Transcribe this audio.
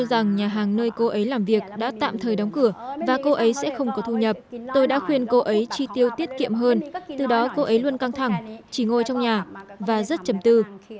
tôi cho rằng nhà hàng nơi cô ấy làm việc đã tạm thời đóng cửa và cô ấy sẽ không có thu nhập tôi đã khuyên cô ấy tri tiêu tiết kiệm hơn từ đó cô ấy luôn căng thẳng chỉ ngồi trong nhà và rất chầm tư